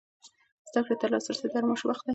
زده کړې ته لاسرسی د هر ماشوم حق دی.